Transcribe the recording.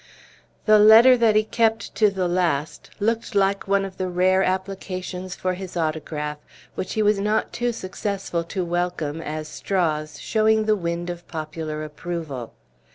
The letter that he kept to the last looked like one of the rare applications for his autograph which he was not too successful to welcome as straws showing the wind of popular approval.